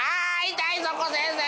痛いそこ先生！